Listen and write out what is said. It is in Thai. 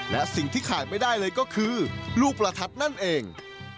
และสิ่งที่ขาดไม่ได้เลยก็คือลูกประทัดนั่นเอง